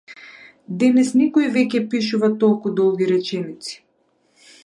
Денес никој веќе пишува толку долги реченици.